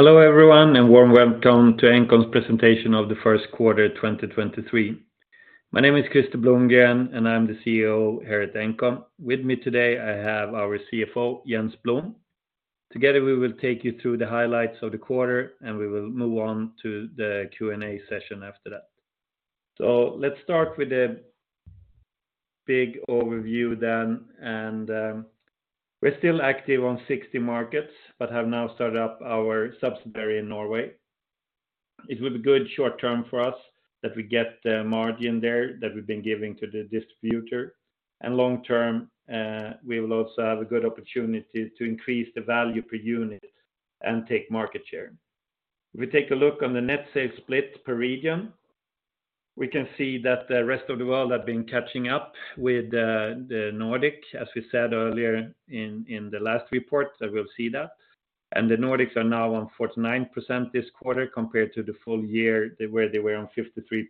Hello everyone, warm welcome to Engcon's presentation of the Q1 2023. My name is Krister Blomgren, I'm the CEO here at Engcon. With me today, I have our CFO, Jens Blom. Together, we will take you through the highlights of the quarter, We will move on to the Q&A session after that. Let's start with a big overview then, We're still active on 60 markets, Have now started up our subsidiary in Norway. It was a good short term for us that we get the margin there that we've been giving to the distributor. Long term, we will also have a good opportunity to increase the value per unit and take market share. If we take a look on the net sales split per region, we can see that the rest of the world have been catching up with the Nordic, as we said earlier in the last report that we'll see that. The Nordics are now on 49% this quarter compared to the full year where they were on 53%.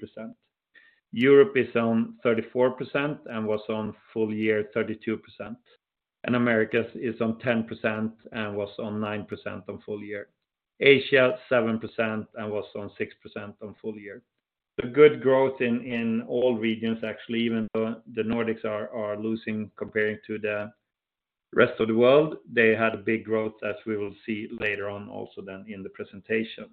Europe is on 34% and was on full year 32%. Americas is on 10% and was on 9% on full year. Asia, 7% and was on 6% on full year. Good growth in all regions actually, even though the Nordics are losing comparing to the rest of the world, they had a big growth as we will see later on also then in the presentation.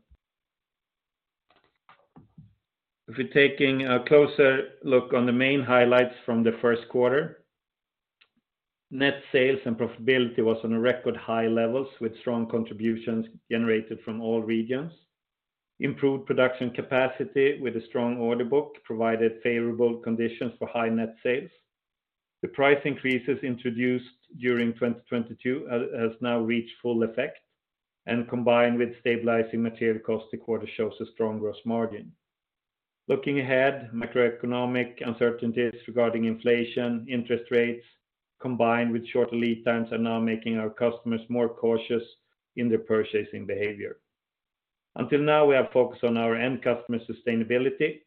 If we're taking a closer look on the main highlights from the Q1. Net sales and profitability was on a record high levels with strong contributions generated from all regions. Improved production capacity with a strong order book provided favorable conditions for high net sales. The price increases introduced during 2022 has now reached full effect. Combined with stabilizing material cost, the quarter shows a strong gross margin. Looking ahead, macroeconomic uncertainties regarding inflation, interest rates, combined with shorter lead times are now making our customers more cautious in their purchasing behavior. Until now, we have focused on our end customer sustainability.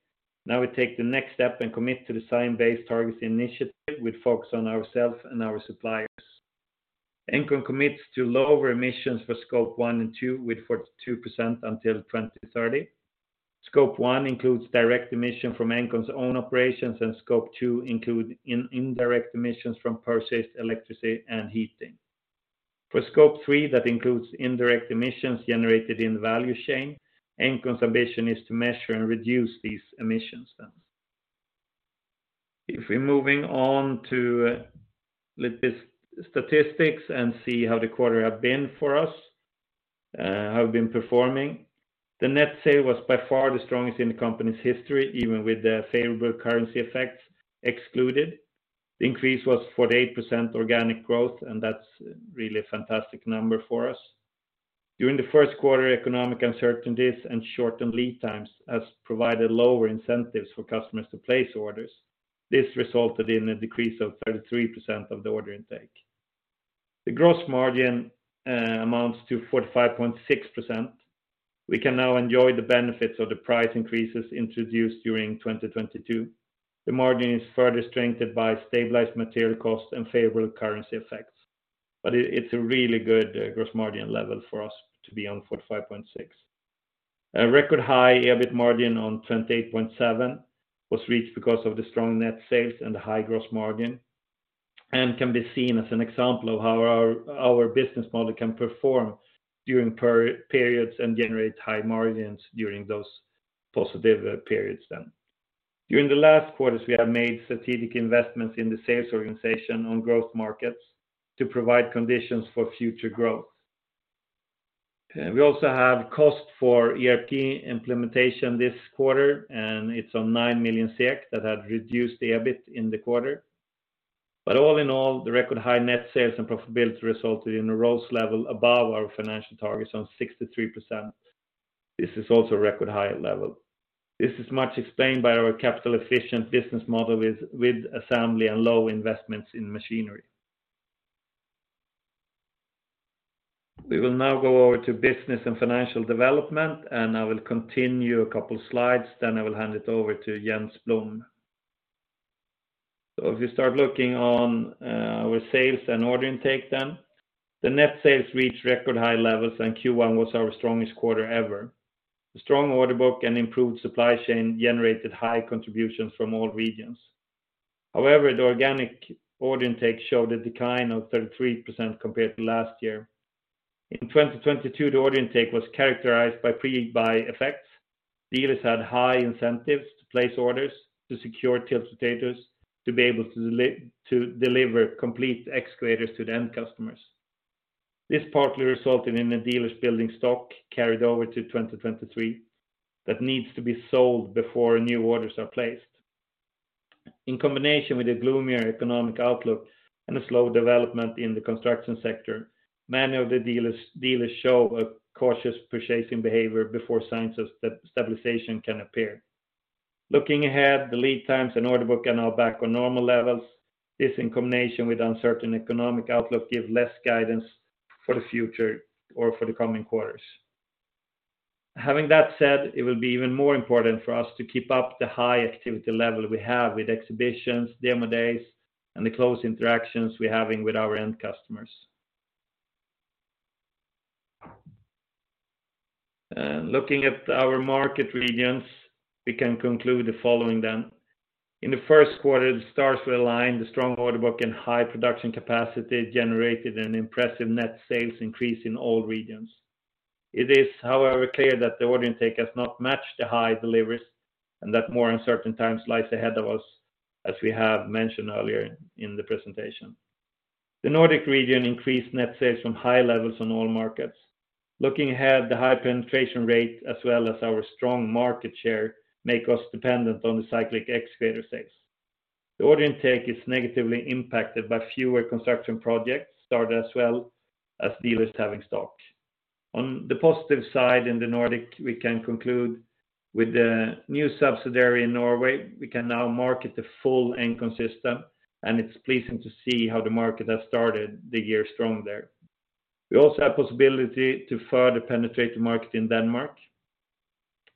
Now we take the next step and commit to Science Based Targets initiative with focus on ourselves and our suppliers. Engcon commits to lower emissions for Scope 1 and 2 with 42% until 2030. Scope 1 includes direct emission from Engcon's own operations. Scope 2 include indirect emissions from purchased electricity and heating. For scope 3, that includes indirect emissions generated in the value chain. Engcon's ambition is to measure and reduce these emissions then. If we're moving on to a little bit statistics and see how the quarter have been for us, how we've been performing. The net sale was by far the strongest in the company's history, even with the favorable currency effects excluded. The increase was 48% organic growth. That's really a fantastic number for us. During the Q1, economic uncertainties and shortened lead times has provided lower incentives for customers to place orders. This resulted in a decrease of 33% of the order intake. The gross margin amounts to 45.6%. We can now enjoy the benefits of the price increases introduced during 2022. The margin is further strengthened by stabilized material costs and favorable currency effects. It's a really good gross margin level for us to be on 45.6%. A record high EBIT margin on 28.7% was reached because of the strong net sales and the high gross margin, can be seen as an example of how our business model can perform during periods and generate high margins during those positive periods. During the last quarters, we have made strategic investments in the sales organization on growth markets to provide conditions for future growth. We also have cost for ERP implementation this quarter, it's on 9 million that had reduced the EBIT in the quarter. All in all, the record high net sales and profitability resulted in a ROCE level above our financial targets on 63%. This is also a record high level. This is much explained by our capital efficient business model with assembly and low investments in machinery. We will now go over to business and financial development. I will continue a couple slides, then I will hand it over to Jens Blom. If you start looking on our sales and order intake then. The net sales reached record high levels. Q1 was our strongest quarter ever. The strong order book and improved supply chain generated high contributions from all regions. The organic order intake showed a decline of 33% compared to last year. In 2022, the order intake was characterized by pre-buy effects. Dealers had high incentives to place orders to secure tiltrotators to be able to deliver complete excavators to the end customers. This partly resulted in the dealers building stock carried over to 2023 that needs to be sold before new orders are placed. In combination with a gloomier economic outlook and a slow development in the construction sector, many of the dealers show a cautious purchasing behavior before signs of stabilization can appear. Looking ahead, the lead times and order book are now back on normal levels. This in combination with uncertain economic outlook give less guidance for the future or for the coming quarters. Having that said, it will be even more important for us to keep up the high activity level we have with exhibitions, demo days, and the close interactions we're having with our end customers. Looking at our market regions, we can conclude the following. In the Q1, the stars were aligned, the strong order book and high production capacity generated an impressive net sales increase in all regions. It is, however, clear that the order intake has not matched the high deliveries and that more uncertain times lies ahead of us, as we have mentioned earlier in the presentation. The Nordic region increased net sales from high levels on all markets. Looking ahead, the high penetration rate as well as our strong market share make us dependent on the cyclic excavator sales. The order intake is negatively impacted by fewer construction projects started as well as dealers having stock. On the positive side, in the Nordic, we can conclude with the new subsidiary in Norway, we can now market the full Engcon system, and it's pleasing to see how the market has started the year strong there. We also have possibility to further penetrate the market in Denmark.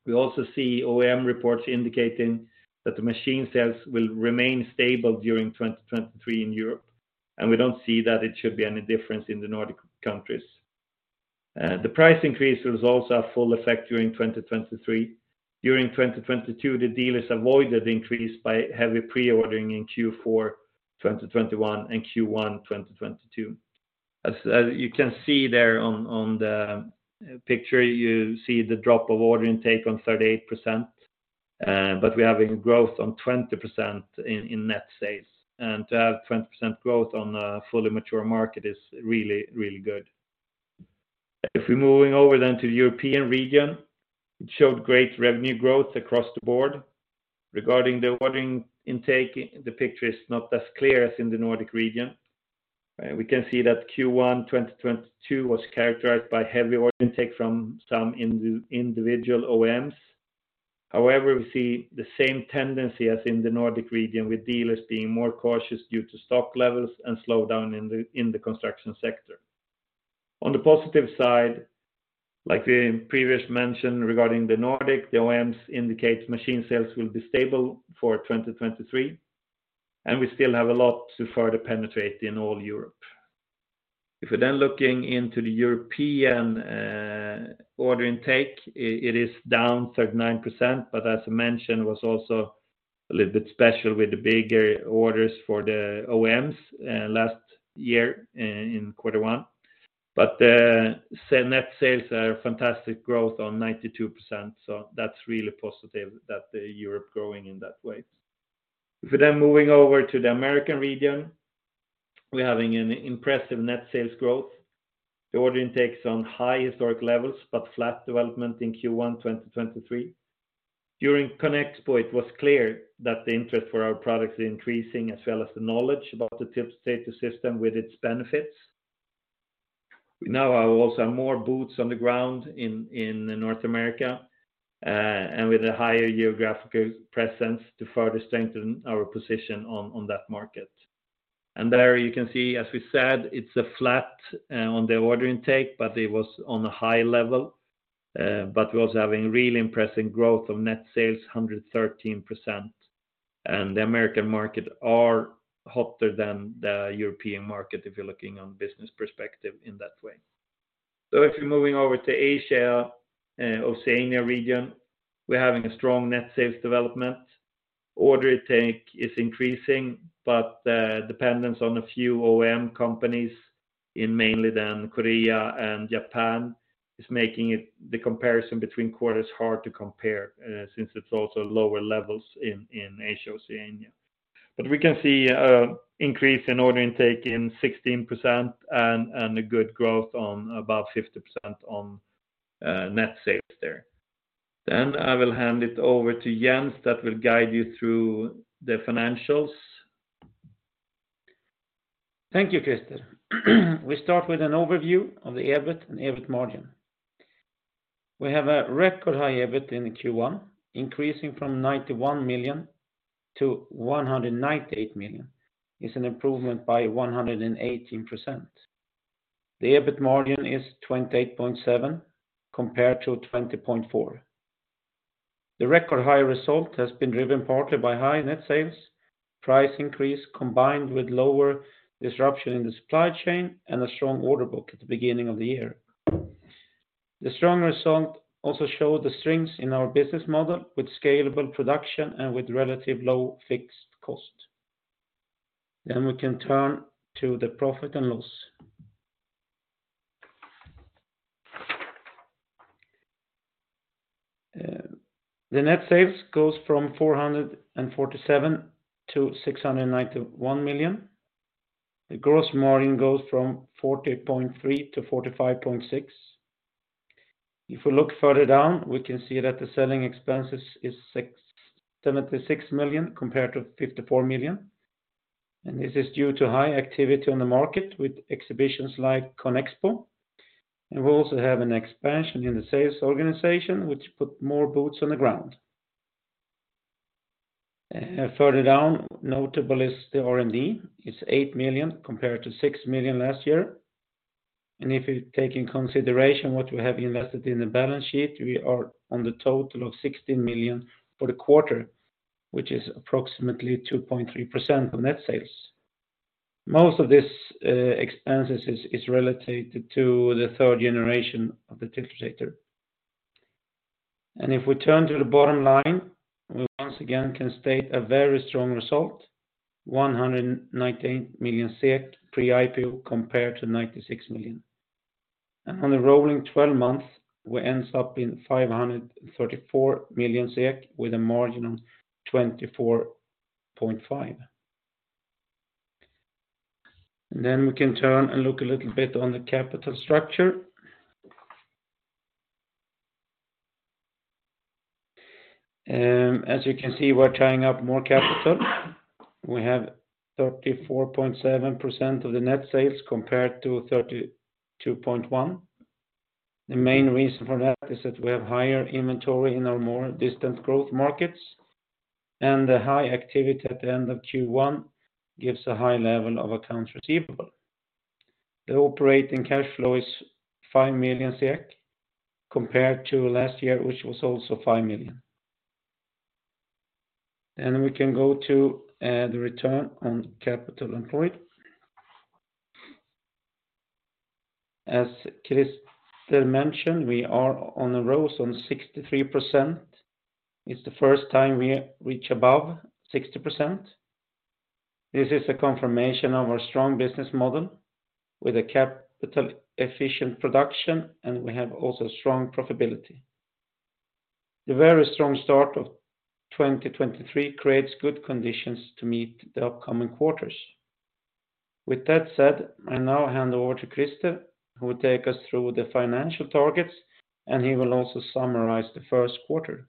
We also see OEM reports indicating that the machine sales will remain stable during 2023 in Europe, and we don't see that it should be any difference in the Nordic countries. The price increase results are full effect during 2023. During 2022, the dealers avoided increase by heavy pre-ordering in Q4 2021 and Q1 2022. As you can see there on the picture, you see the drop of order intake on 38%, but we're having growth on 20% in net sales. To have 20% growth on a fully mature market is really, really good. If we're moving over then to the European region, it showed great revenue growth across the board. Regarding the ordering intake, the picture is not as clear as in the Nordic region. We can see that Q1 2022 was characterized by heavy order intake from some individual OEMs. We see the same tendency as in the Nordic region with dealers being more cautious due to stock levels and slowdown in the construction sector. On the positive side, like the previous mention regarding the Nordic, the OEMs indicates machine sales will be stable for 2023, and we still have a lot to further penetrate in all Europe. Looking into the European order intake, it is down 39%, as I mentioned, was also a little bit special with the bigger orders for the OEMs last year in Q1. Net sales are fantastic growth on 92%, that's really positive that Europe growing in that way. Moving over to the American region, we're having an impressive net sales growth. The order intake is on high historic levels, flat development in Q1 2023. During CONEXPO, it was clear that the interest for our products is increasing as well as the knowledge about the tiltrotator system with its benefits. We now also have more boots on the ground in North America with a higher geographical presence to further strengthen our position on that market. There you can see, as we said, it's a flat on the order intake, but it was on a high level, but we're also having really impressive growth of net sales, 113%. The American market are hotter than the European market if you're looking on business perspective in that way. If you're moving over to Asia or Oceania region, we're having a strong net sales development. Order intake is increasing, but the dependence on a few OEM companies in mainly then Korea and Japan is making the comparison between quarters hard to compare, since it's also lower levels in Asia/Oceania. We can see increase in order intake in 16% and a good growth on about 50% on net sales there. I will hand it over to Jens that will guide you through the financials. Thank you, Krister. We start with an overview of the EBIT and EBIT margin. We have a record high EBIT in Q1, increasing from 91 million to 198 million. It's an improvement by 118%. The EBIT margin is 28.7%, compared to 20.4%. The record high result has been driven partly by high net sales, price increase, combined with lower disruption in the supply chain and a strong order book at the beginning of the year. The strong result also showed the strengths in our business model with scalable production and with relative low fixed cost. We can turn to the profit and loss. The net sales goes from 447 million to 691 million. The gross margin goes from 40.3% to 45.6%. If we look further down, we can see that the selling expenses is 76 million compared to 54 million. This is due to high activity on the market with exhibitions like CONEXPO. We also have an expansion in the sales organization which put more boots on the ground. Further down notable is the R&D. It's 8 million compared to 6 million last year. If you take in consideration what we have invested in the balance sheet, we are on the total of 16 million for the quarter, which is approximately 2.3% of net sales. Most of this expenses is related to the 3rd generation of the tiltrotator. If we turn to the bottom line, we once again can state a very strong result, 119 million SEK pre-IPO compared to 96 million. On the rolling 12 months, we ends up being 534 million SEK with a margin of 24.5%. We can turn and look a little bit on the capital structure. As you can see, we're tying up more capital. We have 34.7% of the net sales compared to 32.1%. The main reason for that is that we have higher inventory in our more distant growth markets, and the high activity at the end of Q1 gives a high level of accounts receivable. The operating cash flow is 5 million compared to last year, which was also 5 million. We can go to the return on capital employed. As Krister mentioned, we are on a roll on 63%. It's the 1st time we reach above 60%. This is a confirmation of our strong business model with a capital efficient production, and we have also strong profitability. The very strong start of 2023 creates good conditions to meet the upcoming quarters. With that said, I now hand over to Krister, who will take us through the financial targets, and he will also summarize the Q1.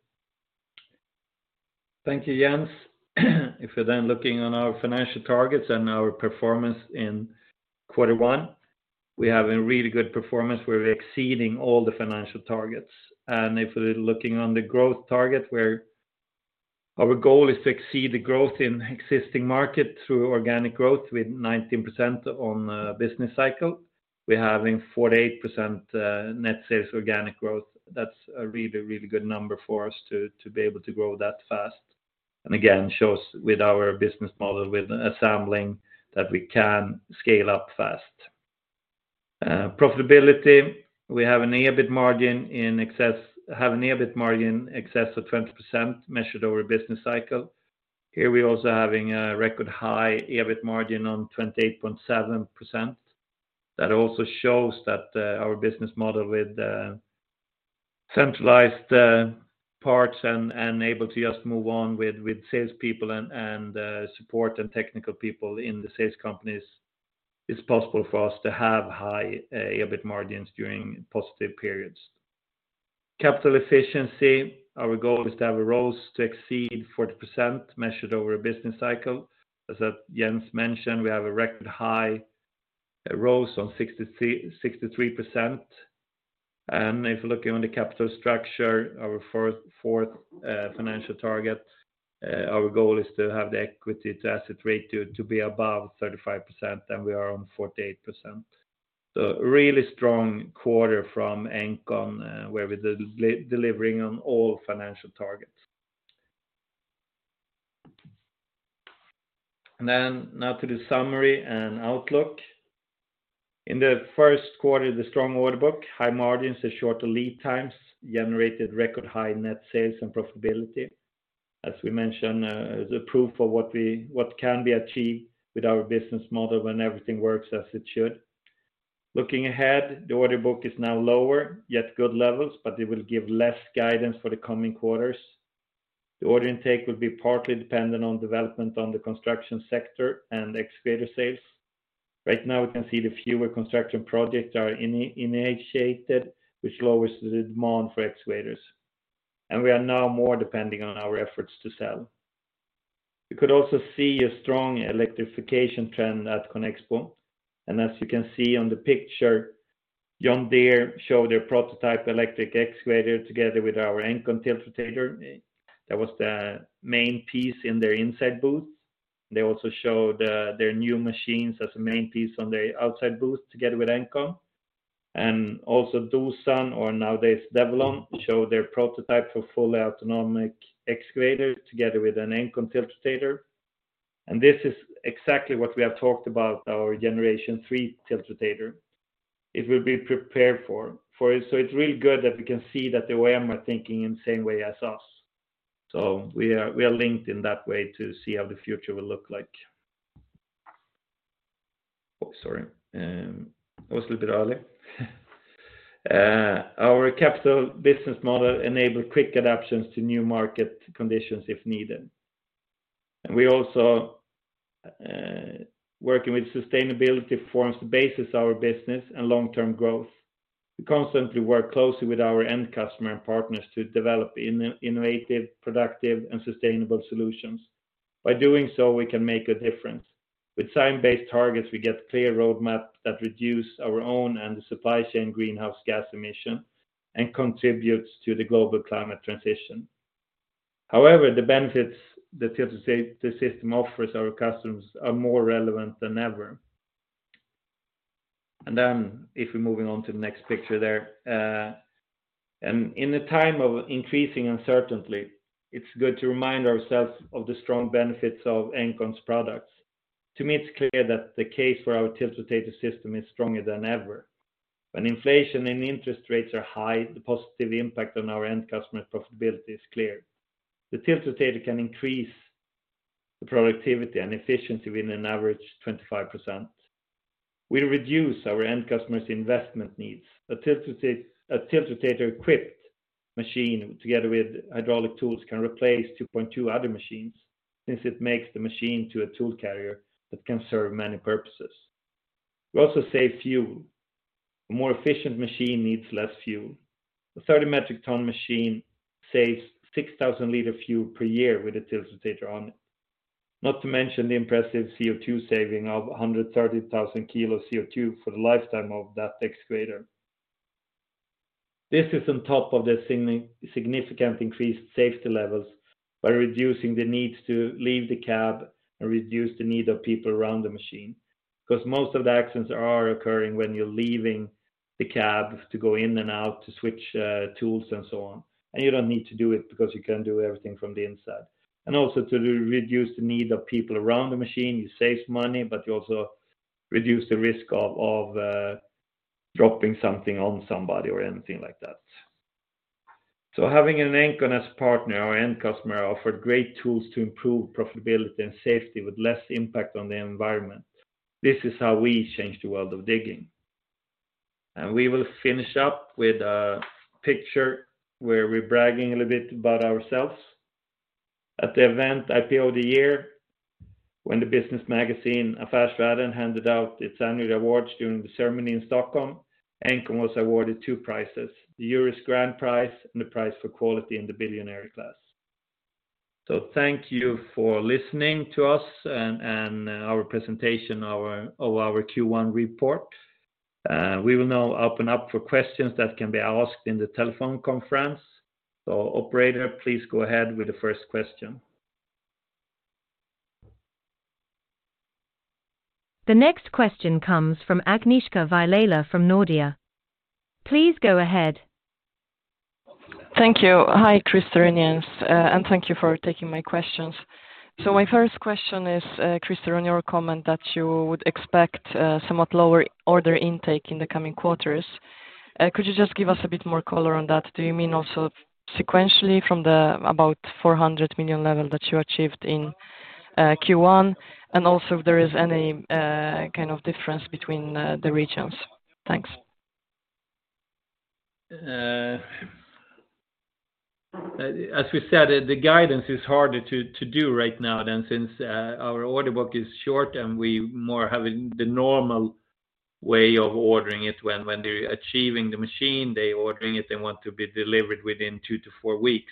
Thank you, Jens. If you're then looking on our financial targets and our performance in Q1, we have a really good performance. We're exceeding all the financial targets. If we're looking on the growth target where our goal is to exceed the growth in existing market through organic growth with 19% on business cycle. We're having 48% net sales organic growth. That's a really, really good number for us to be able to grow that fast. Again, shows with our business model with assembling that we can scale up fast. Profitability, we have an EBIT margin excess of 20% measured over business cycle. Here, we're also having a record high EBIT margin on 28.7%. That also shows that our business model with centralized parts and able to just move on with sales people and support and technical people in the sales companies, it's possible for us to have high EBIT margins during positive periods. Capital efficiency, our goal is to have a ROCE to exceed 40% measured over a business cycle. As Jens mentioned, we have a record high ROCE on 63%. If you're looking on the capital structure, our 4th financial target, our goal is to have the equity to asset ratio to be above 35%, and we are on 48%. Really strong quarter from Engcon, where we're delivering on all financial targets. Now to the summary and outlook. In the Q1, the strong order book, high margins, the shorter lead times generated record high net sales and profitability. As we mentioned, the proof of what can be achieved with our business model when everything works as it should. Looking ahead, the order book is now lower, yet good levels. It will give less guidance for the coming quarters. The order intake will be partly dependent on development on the construction sector and excavator sales. Right now, we can see the fewer construction projects are initiated, which lowers the demand for excavators. We are now more depending on our efforts to sell. We could also see a strong electrification trend at CONEXPO. As you can see on the picture, John Deere showed their prototype electric excavator together with our Engcon tiltrotator. That was the main piece in their inside booth. They also showed their new machines as a main piece on the outside booth together with Engcon. Doosan or nowadays DEVELON showed their prototype for fully autonomic excavator together with an Engcon tiltrotator. This is exactly what we have talked about our Generation 3. It will be prepared for it. It's really good that we can see that the way I'm thinking in same way as us. We are linked in that way to see how the future will look like. Oh, sorry. Our capital business model enable quick adaptations to new market conditions if needed. We also working with sustainability forms the basis of our business and long-term growth. We constantly work closely with our end customer and partners to develop innovative, productive, and sustainable solutions. By doing so, we can make a difference. With science-based targets, we get clear roadmap that reduce our own and the supply chain greenhouse gas emissions and contributes to the global climate transition. However, the benefits the tiltrotator system offers our customers are more relevant than ever. If we're moving on to the next picture there. In a time of increasing uncertainty, it's good to remind ourselves of the strong benefits of Engcon's products. To me, it's clear that the case for our tiltrotator system is stronger than ever. When inflation and interest rates are high, the positive impact on our end customer profitability is clear. The tiltrotator can increase the productivity and efficiency within an average 25%. We reduce our end customers' investment needs. A tilt rotator equipped machine together with hydraulic tools can replace 2.2 other machines since it makes the machine to a tool carrier that can serve many purposes. We also save fuel. A more efficient machine needs less fuel. A 30 metric ton machine saves 6,000 liter fuel per year with a tilt rotator on it. Not to mention the impressive CO2 saving of 130,000 kilos CO2 for the lifetime of that excavator. This is on top of the significant increased safety levels by reducing the need to leave the cab and reduce the need of people around the machine. Most of the accidents are occurring when you're leaving the cab to go in and out to switch tools and so on, and you don't need to do it because you can do everything from the inside. Also to reduce the need of people around the machine, you save money, but you also reduce the risk of dropping something on somebody or anything like that. Having an Engcon as partner, our end customer offered great tools to improve profitability and safety with less impact on the environment. This is how we change the world of digging. We will finish up with a picture where we're bragging a little bit about ourselves. At the event IPO of the Year, when the business magazine Affärsvärlden handed out its annual awards during the ceremony in Stockholm, Engcon was awarded 2 prizes, the Jury's Grand Prize and the prize for quality in the billionaire class. Thank you for listening to us and our presentation of our Q1 report. We will now open up for questions that can be asked in the telephone conference. Operator, please go ahead with the 1st question. The next question comes from Agnieszka Vilela from Nordea. Please go ahead. Thank you. Hi, Krister and Jens. Thank you for taking my questions. My 1st question is, Krister, on your comment that you would expect somewhat lower order intake in the coming quarters. Could you just give us a bit more color on that? Do you mean also sequentially from the about 400 million level that you achieved in Q1? Also, if there is any kind of difference between the regions? Thanks. As we said, the guidance is harder to do right now than since our order book is short, and we more have the normal way of ordering it when they're achieving the machine, they're ordering it, they want to be delivered within 2 to 4 weeks.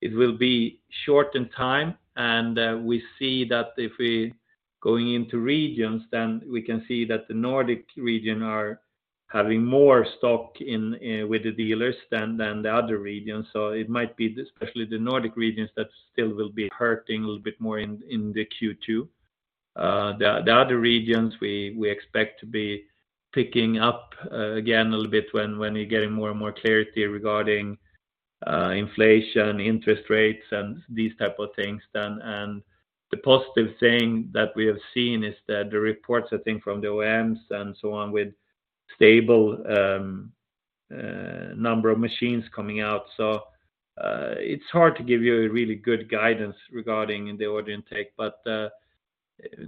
It will be short in time, and we see that if we going into regions, then we can see that the Nordic region are having more stock in with the dealers than the other regions. It might be especially the Nordic regions that still will be hurting a little bit more in the Q2. The other regions we expect to be picking up again a little bit when you're getting more and more clarity regarding inflation, interest rates, and these type of things then. The positive thing that we have seen is that the reports, I think, from the OEMs and so on with stable number of machines coming out. It's hard to give you a really good guidance regarding the order intake,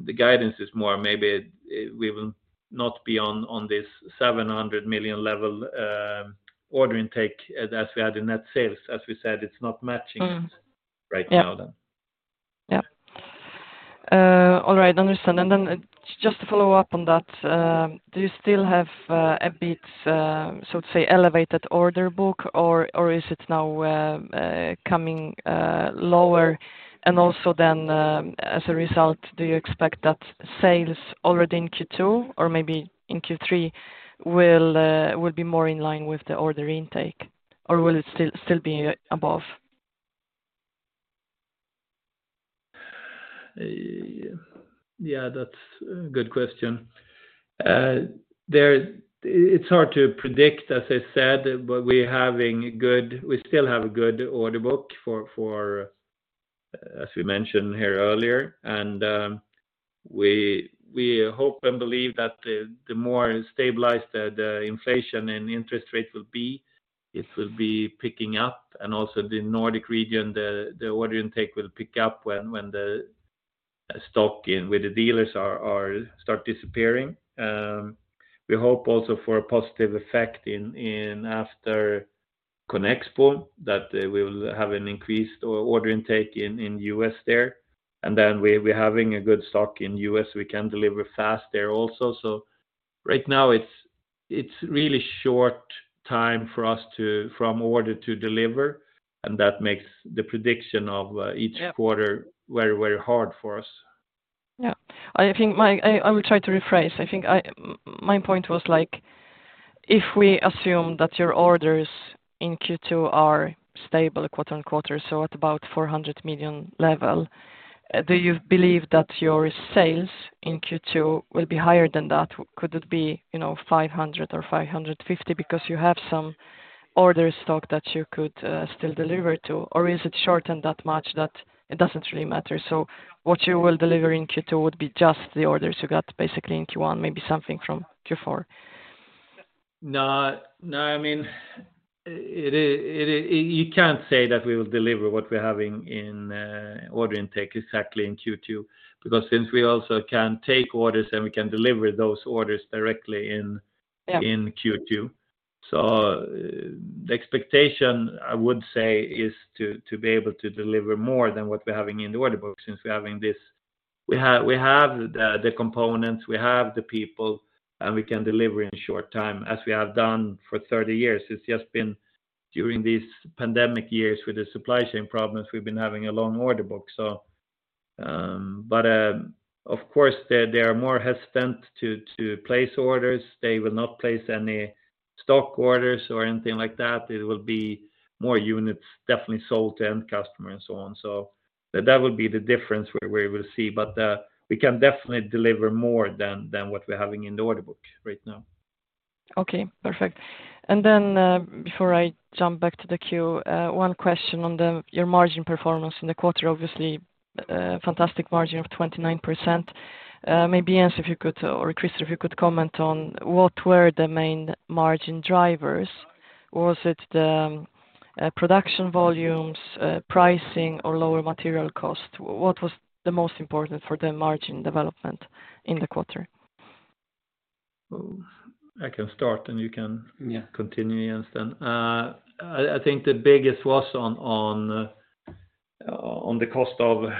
the guidance is more maybe we will not be on this 700 million level order intake as we had in net sales. As we said, it's not matching. Mm. right now then. Yeah. All right. Understand. Just to follow up on that, do you still have a bit, so to say, elevated order book, or is it now coming lower? As a result, do you expect that sales already in Q2 or maybe in Q3 will be more in line with the order intake, or will it still be above? Yeah, that's a good question. It's hard to predict, as I said, but we still have a good order book, as we mentioned here earlier. We hope and believe that the more stabilized inflation and interest rates will be, it will be picking up. Also the Nordic region, the order intake will pick up when the stock with the dealers are start disappearing. We hope also for a positive effect after CONEXPO, that we will have an increased order intake in U.S. there. We, we're having a good stock in U.S. We can deliver fast there also. Right now it's really short time for us from order to deliver, and that makes the prediction of. Yeah Each quarter very, very hard for us. Yeah. I think I will try to rephrase. I think my point was like if we assume that your orders in Q2 are stable quarter-on-quarter, so at about 400 million level, do you believe that your sales in Q2 will be higher than that? Could it be, you know, 500 or 550 because you have some order stock that you could still deliver to? Or is it shortened that much that it doesn't really matter? What you will deliver in Q2 would be just the orders you got basically in Q1, maybe something from Q4. No, I mean, you can't say that we will deliver what we're having in order intake exactly in Q2 because since we also can take orders, and we can deliver those orders directly. Yeah in Q2. The expectation, I would say, is to be able to deliver more than what we're having in the order book since we're having this. We have the components, we have the people, and we can deliver in short time as we have done for 30 years. It's just been during these pandemic years with the supply chain problems, we've been having a long order book. Of course, they are more hesitant to place orders. They will not place any stock orders or anything like that. It will be more units definitely sold to end customer and so on. That would be the difference where we will see. We can definitely deliver more than what we're having in the order book right now. Okay. Perfect. Before I jump back to the queue, 1 question on your margin performance in the quarter, obviously, fantastic margin of 29%. Maybe, Jens, if you could or Krister, if you could comment on what were the main margin drivers. Was it the production volumes, pricing or lower material cost? What was the most important for the margin development in the quarter? Oh, I can start, and. Yeah continue, Jens, then. I think the biggest was on the cost of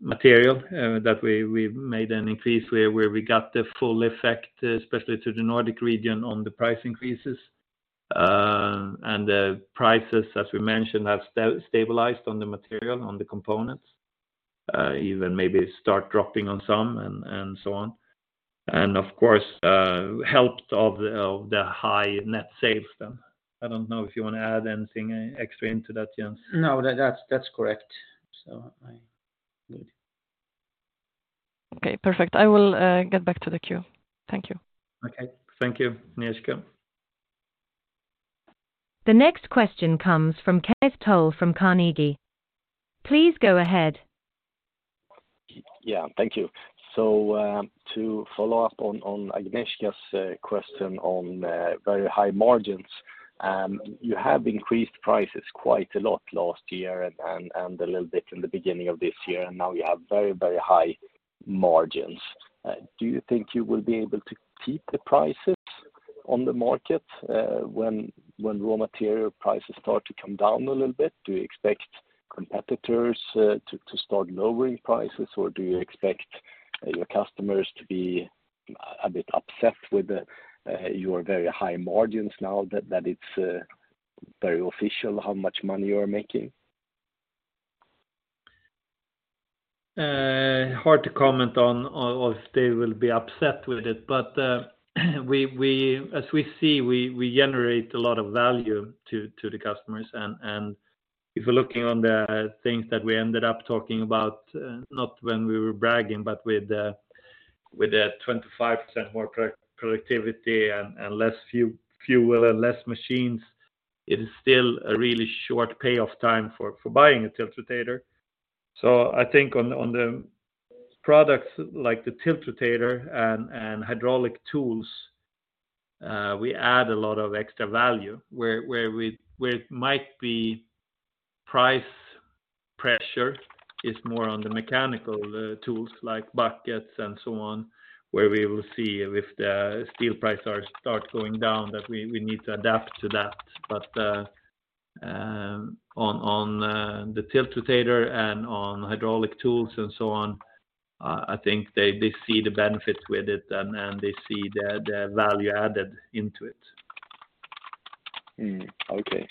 material, that we made an increase where we got the full effect, especially to the Nordic region on the price increases. The prices, as we mentioned, have stabilized on the material, on the components, even maybe start dropping on some and so on. Of course, helped of the high net sales then. I don't know if you want to add anything extra into that, Jens. No, that's correct. I good. Okay, perfect. I will get back to the queue. Thank you. Okay. Thank you, Agnieszka. The next question comes from Kenneth Toll from Carnegie. Please go ahead. Yeah. Thank you. To follow up on Agnieszka's question on very high margins, you have increased prices quite a lot last year and a little bit in the beginning of this year, and now you have very high margins. Do you think you will be able to keep the prices on the market when raw material prices start to come down a little bit? Do you expect competitors to start lowering prices, or do you expect your customers to be a bit upset with your very high margins now that it's very official how much money you are making? Hard to comment on if they will be upset with it. As we see, we generate a lot of value to the customers. If you're looking on the things that we ended up talking about, not when we were bragging, but with the 25% more pro-productivity and fewer and less machines, it is still a really short payoff time for buying a tiltrotator. I think on the products like the tiltrotator and hydraulic tools, we add a lot of extra value where it might be price pressure is more on the mechanical tools like buckets and so on, where we will see if the steel price starts going down, that we need to adapt to that. On the tiltrotator and on hydraulic tools and so on, I think they see the benefit with it and they see the value added into it. Okay.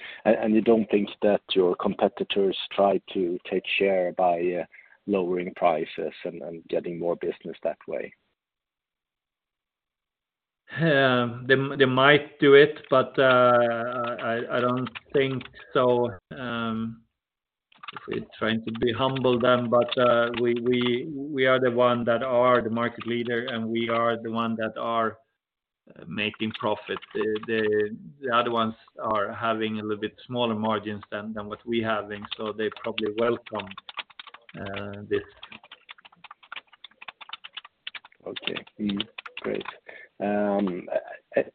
You don't think that your competitors try to take share by lowering prices and getting more business that way? They might do it, but I don't think so. If we're trying to be humble then, we are the one that are the market leader, and we are the one that are making profit. The other ones are having a little bit smaller margins than what we're having, so they probably welcome this. Okay. Great.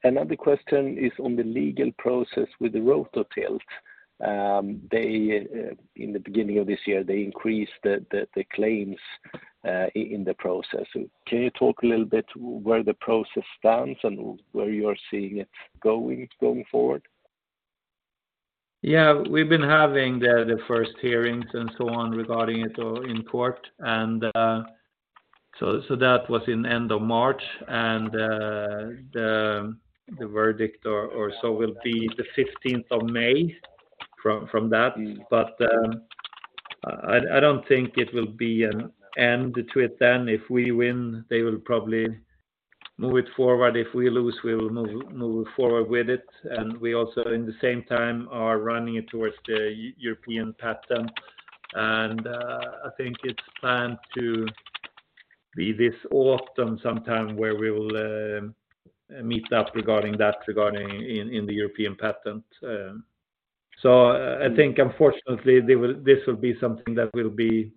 Another question is on the legal process with the Rototilt. They in the beginning of this year, they increased the claims in the process. Can you talk a little bit where the process stands and where you are seeing it going forward? We've been having the 1st hearings and so on regarding it all in court, and so that was in end of March, and the verdict or so will be the 15th of May. From that. I don't think it will be an end to it then. If we win, they will probably move it forward. If we lose, we will move forward with it. We also in the same time are running it towards the European patent. I think it's planned to be this autumn sometime where we will meet up regarding that, regarding in the European patent. I think unfortunately, this will be something that will be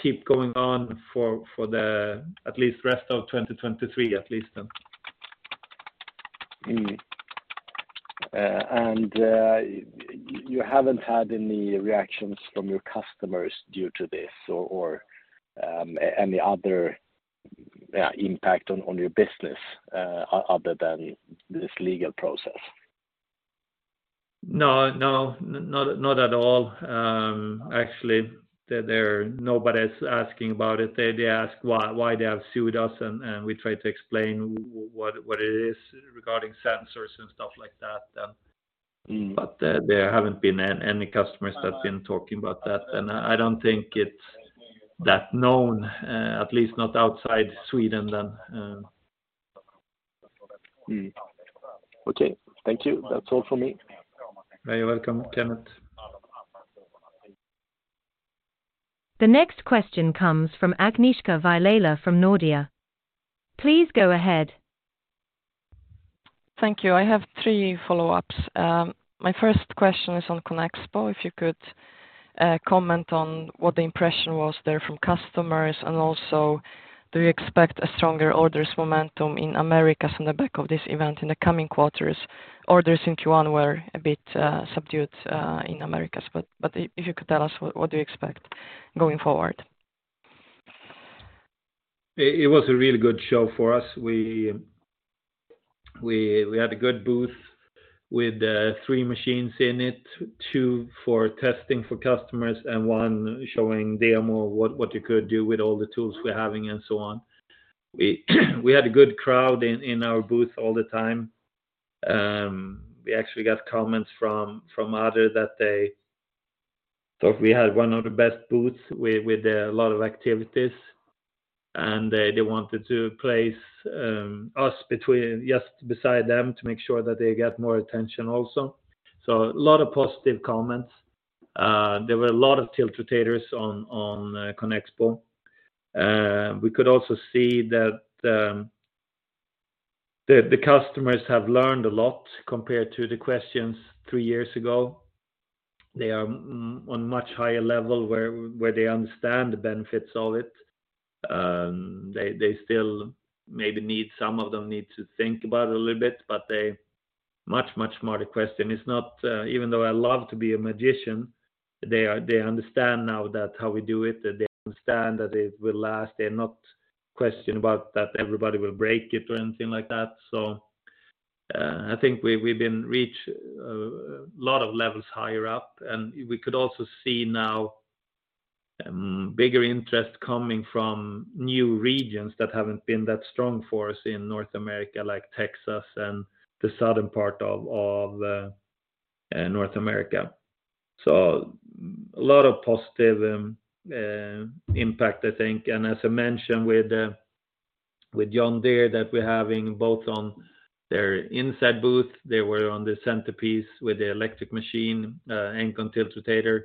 keep going on for the at least rest of 2023, at least then. You haven't had any reactions from your customers due to this or, any other, impact on your business, other than this legal process? No, not at all. actually, nobody's asking about it. They ask why they have sued us. We try to explain what it is regarding sensors and stuff like that. Mm. There haven't been any customers that have been talking about that. I don't think it's that known, at least not outside Sweden then. Okay. Thank you. That's all for me. You're welcome, Kenneth. The next question comes from Agnieszka Vilela from Nordea. Please go ahead. Thank you. I have 3 follow-ups. My 1st question is on CONEXPO, if you could comment on what the impression was there from customers, and also do you expect a stronger orders momentum in Americas on the back of this event in the coming quarters? Orders in Q1 were a bit subdued in Americas. If you could tell us what do you expect going forward? It was a really good show for us. We had a good booth with 3 machines in it, 2 for testing for customers and 1 showing demo what you could do with all the tools we're having and so on. We had a good crowd in our booth all the time. We actually got comments from other that they thought we had one of the best booths with a lot of activities. They wanted to place us between just beside them to make sure that they get more attention also. A lot of positive comments. There were a lot of tiltrotators on CONEXPO. We could also see that the customers have learned a lot compared to the questions 3 years ago. They are on much higher level where they understand the benefits of it. They still maybe some of them need to think about it a little bit, but they much more the question. It's not, even though I love to be a magician, they understand now that how we do it, they understand that it will last. They're not question about that everybody will break it or anything like that. I think we've been reach a lot of levels higher up, and we could also see now bigger interest coming from new regions that haven't been that strong for us in North America, like Texas and the southern part of North America. A lot of positive impact, I think. As I mentioned with John Deere that we're having both on their inside booth, they were on the centerpiece with the electric machine, Engcon tiltrotator,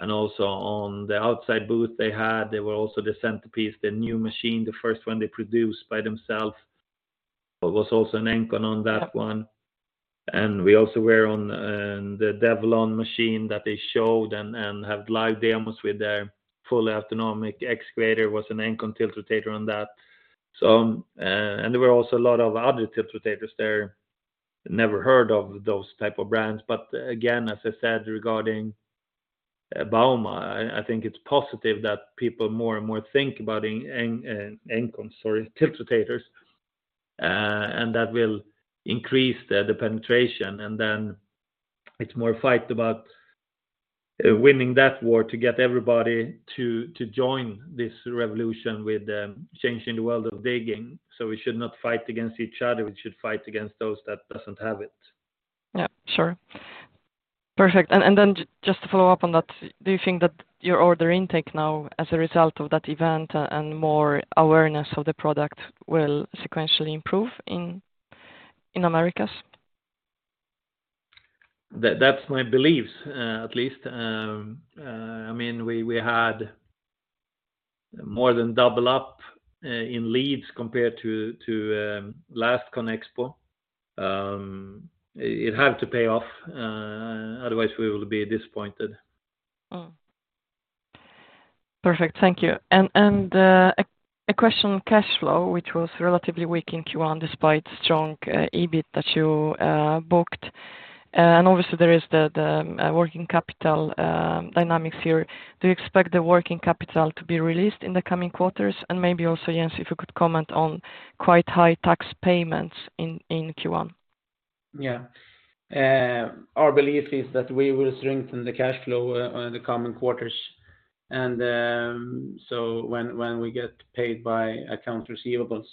and also on the outside booth they had. They were also the centerpiece, the new machine, the first one they produced by themselves. It was also an Engcon on that one. We also were on the DEVELON machine that they showed and have live demos with their fully autonomic excavator, was an Engcon tiltrotator on that. There were also a lot of other tiltrotators there. Never heard of those type of brands. Again, as I said, regarding bauma, I think it's positive that people more and more think about Engcon or tiltrotators, and that will increase the penetration. It's more fight about winning that war to get everybody to join this revolution with changing the world of digging. We should not fight against each other. We should fight against those that doesn't have it. Yeah, sure. Perfect. Then just to follow up on that, do you think that your order intake now as a result of that event and more awareness of the product will sequentially improve in Americas? That's my beliefs, at least. I mean, we had more than double up in leads compared to last CONEXPO. It have to pay off, otherwise we will be disappointed. Perfect. Thank you. A question on cash flow, which was relatively weak in Q1 despite strong EBIT that you booked. Obviously there is the working capital dynamics here. Do you expect the working capital to be released in the coming quarters? Maybe also, Jens, if you could comment on quite high tax payments in Q1. Yeah. Our belief is that we will strengthen the cash flow, the coming quarters and, when we get paid by accounts receivables.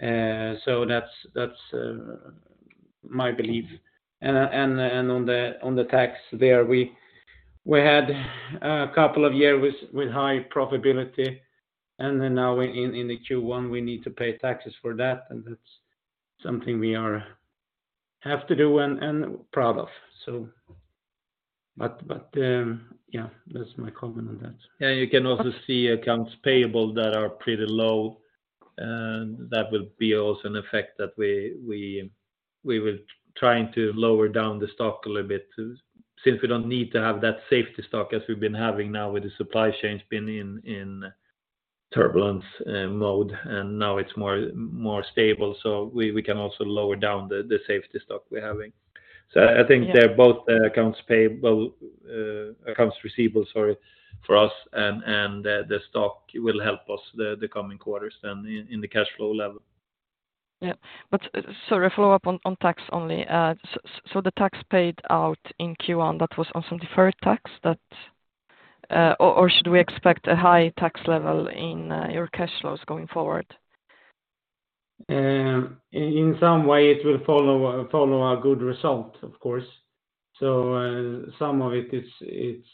That's my belief. On the tax there, we had a couple of year with high profitability, now in the Q1 we need to pay taxes for that's something we have to do and proud of. But, yeah, that's my comment on that. Yeah, you can also see accounts payable that are pretty low, that will be also an effect that we will trying to lower down the stock a little bit since we don't need to have that safety stock as we've been having now with the supply chains been in turbulence mode, and now it's more stable. We can also lower down the safety stock we're having. I think they're both accounts payable, accounts receivable, sorry, for us and the stock will help us the coming quarters then in the cash flow level. Yeah. sorry, follow up on tax only. The tax paid out in Q1, that was on some deferred tax that or should we expect a high tax level in your cash flows going forward? In some way it will follow a good result, of course. Some of it's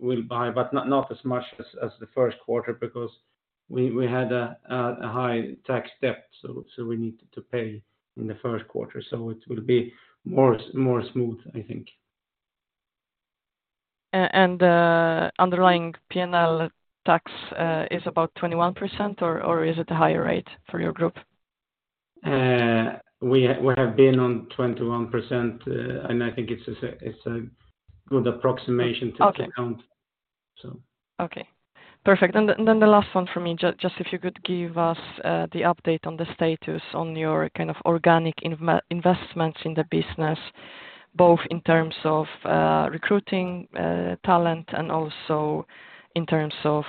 will buy, but not as much as the Q1 because we had a high tax debt, so we need to pay in the Q1. It will be more smooth, I think. Underlying P&L tax is about 21% or is it a higher rate for your group? We have been on 21%, and I think it's a good approximation to account. Okay. So... Okay. Perfect. The last 1 for me, just if you could give us the update on the status on your, kind of, organic investments in the business, both in terms of recruiting talent and also in terms of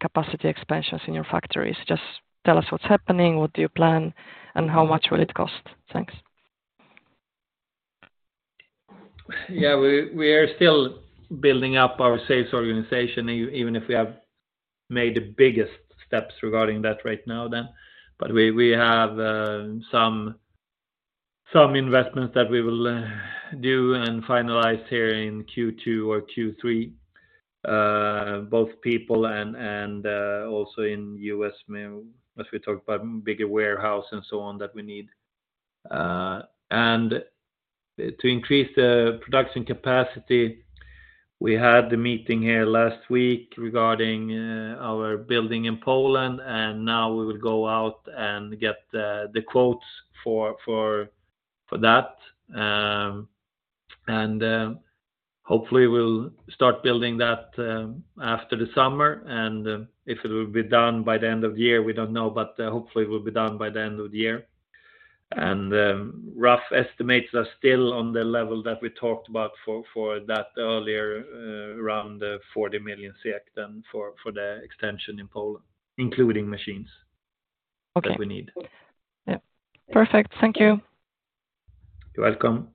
capacity expansions in your factories. Just tell us what's happening, what do you plan, and how much will it cost. Thanks. We are still building up our sales organization even if we have made the biggest steps regarding that right now then. We have some investments that we will do and finalize here in Q2 or Q3, both people and also in U.S., as we talked about bigger warehouse and so on that we need. To increase the production capacity, we had the meeting here last week regarding our building in Poland, and now we will go out and get the quotes for that. Hopefully we'll start building that after the summer. If it will be done by the end of the year, we don't know, but hopefully it will be done by the end of the year. Rough estimates are still on the level that we talked about for that earlier, around 40 million SEK then for the extension in Poland, including machines. Okay. that we need. Yeah. Perfect. Thank you. You're welcome.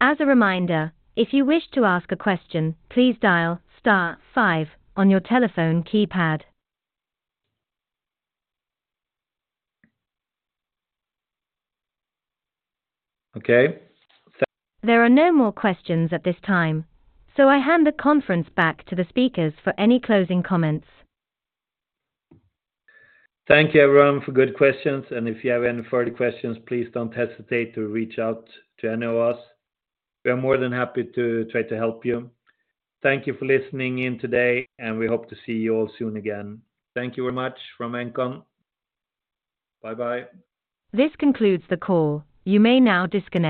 As a reminder, if you wish to ask a question, please dial * 5 on your telephone keypad. Okay. There are no more questions at this time. I hand the conference back to the speakers for any closing comments. Thank you everyone for good questions. If you have any further questions, please don't hesitate to reach out to any of us. We are more than happy to try to help you. Thank you for listening in today, and we hope to see you all soon again. Thank you very much from Engcon. Bye-bye. This concludes the call. You may now disconnect.